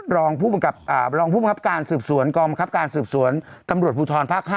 รองผู้บังคับการสืบสวนกองบังคับการสืบสวนตำรวจภูทรภาค๕